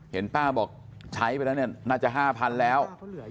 เห็นป้าบอกใช้ไปแล้วเนี่ยน่าจะ๕๐๐๐แล้ว